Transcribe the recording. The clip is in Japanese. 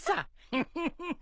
フフフフフ。